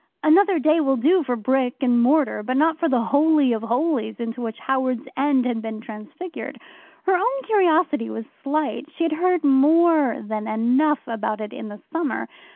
"Another day" will do for brick and mortar, but not for the Holy of Holies into which Howards End had been transfigured. Her own curiosity was slight. She had heard more than enough about it in the summer.